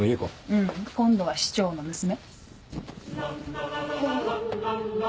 ううん今度は市長の娘。